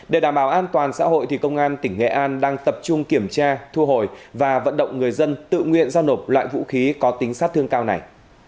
để đảm bảo an toàn xã hội công an tỉnh nghệ an đang tập trung kiểm tra thu hồi và vận động người dân tự nguyện giao nộp lại vũ khí có tính sát thương cao này